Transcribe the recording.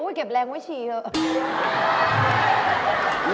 อู้ยเก็บแลงค์ไว้ฉี่เถอะ